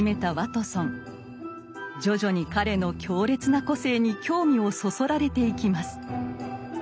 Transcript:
徐々に彼の強烈な個性に興味をそそられていきます。